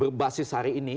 berbasis hari ini